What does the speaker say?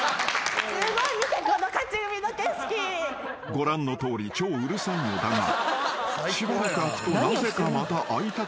［ご覧のとおり超うるさいのだがしばらく空くとなぜかまた会いたくなる存在］